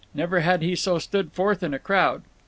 Never had he so stood forth in a crowd.